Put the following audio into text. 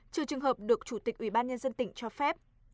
trừ trường hợp được chủ tịch ubnd tỉnh cho phép